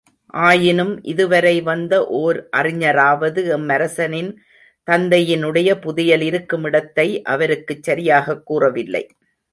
ஆயினும் இதுவரை வந்த ஒர் அறிஞராவது எம்மரசனின் தந்தையினுடைய புதையல் இருக்கும் இடத்தை அவருக்குச் சரியாகக் கூறவில்லை.